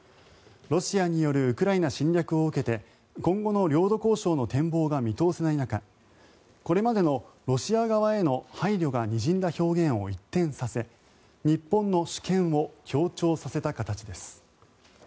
ロシアによるウクライナ侵略を受けて今後の領土交渉の展望が見通せない中これまでのロシア側への配慮がにじんだ表現を一転させ日本の主権を強調させた形です。